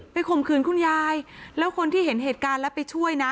ข่มขืนคุณยายแล้วคนที่เห็นเหตุการณ์แล้วไปช่วยนะ